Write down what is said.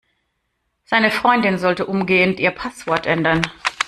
Seine Freundin sollte umgehend ihr Passwort ändern.